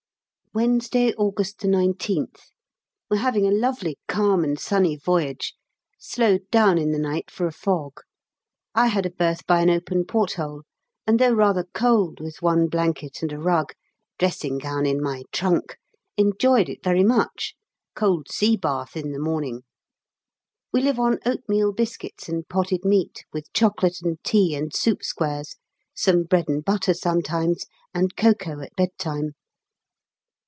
Wednesday, August 19th. We are having a lovely calm and sunny voyage slowed down in the night for a fog. I had a berth by an open port hole, and though rather cold with one blanket and a rug (dressing gown in my trunk), enjoyed it very much cold sea bath in the morning. We live on oatmeal biscuits and potted meat, with chocolate and tea and soup squares, some bread and butter sometimes, and cocoa at bed time.